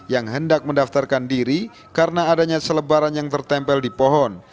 yang hendak mendaftarkan diri karena adanya selebaran yang tertempel di pohon